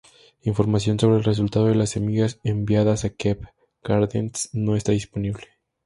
Información sobre el resultado de las semillas enviadas a Kew Gardens no está disponible.